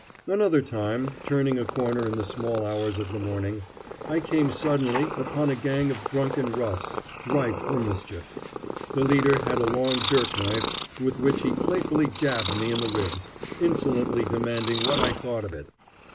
Another time, turning a corner in the small hours of the morning, I came suddenly upon a gang of drunken roughs ripe for mischief. The leader had a long dirk knife with which he playfully jabbed me in the ribs, insolently demanding what I thought of it.